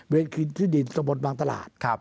เวรคินที่ดินตรงบนวางตลาด